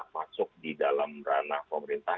masuk di dalam ranah pemerintah